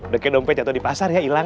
bekain dompet jatuh di pasar ya hilang